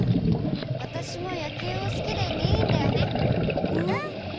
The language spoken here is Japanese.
わたしもやきゅうをすきでいていいんだよね。